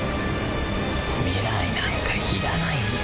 未来なんか要らないんだ。